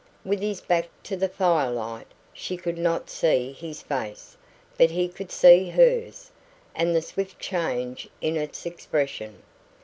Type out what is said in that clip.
With his back to the firelight, she could not see his face, but he could see hers, and the swift change in its expression.